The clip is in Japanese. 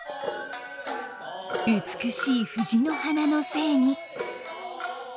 美しい藤の花の精に。